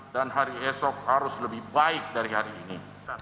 dan hari esok harus lebih baik dari hari ini